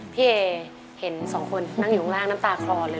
พี่เอเห็นสองคนนั่งอยู่ข้างล่างน้ำตาคลอเลย